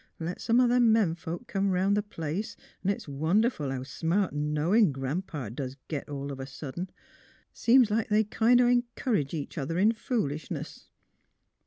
Let s'm' other men folks come 'round th' place, it's wonderful how smart an' knowin' Gran 'pa doos git all of a sudden. Seems like they kin' o' 'ncourage each other in foolishness.